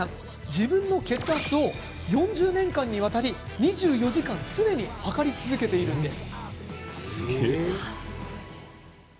自分の血圧を４０年間にわたり２４時間常に測り続けているんです。